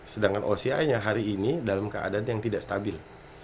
sedangkan oci nya hari ini dalam keadaan yang tidak stabil